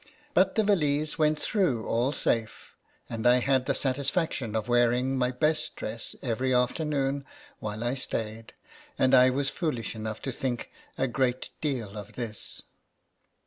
But the valise went through all safe, and I had the sat isfaction of wearing my best dress every afternoon while I stayed ; and I was foolish enough to think a great deal of this.